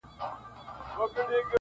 په تعظيم ورته قاضي او وزيران سول-